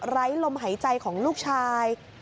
ไร้ลมหายใจของลูกชาย